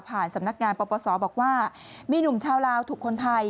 สำนักงานปปศบอกว่ามีหนุ่มชาวลาวถูกคนไทย